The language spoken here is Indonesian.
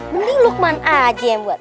benih lukman aja yang buat